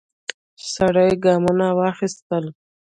سړی ګامونه واخیستل.